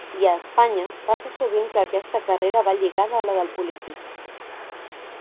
I a Espanya, passa sovint que aquesta carrera va lligada a la del polític.